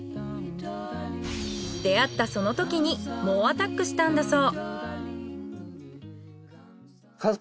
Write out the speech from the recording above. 出会ったそのときに猛アタックしたんだそう。